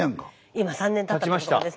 今３年たったところですね。